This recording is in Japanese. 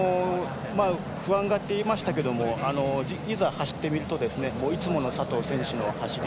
不安がっていましたけどいざ走ってみるといつもの佐藤選手の走り。